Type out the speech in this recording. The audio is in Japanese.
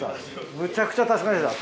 むちゃくちゃ助かりました